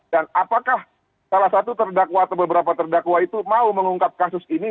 dan apakah salah satu terdakwa atau beberapa terdakwa itu mau mengungkap kasus ini